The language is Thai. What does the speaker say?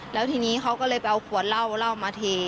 แล้วทีนี้เขาก็เลยไปเอาขวดเหล้าเหล้ามาเท